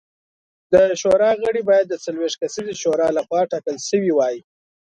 د شورا غړي باید د څلوېښت کسیزې شورا لخوا ټاکل شوي وای